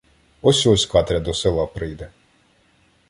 — Ось-ось Катря до села прийде.